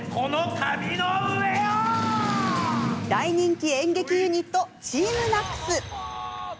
大人気演劇ユニットＴＥＡＭＮＡＣＳ。